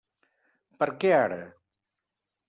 Per què ara?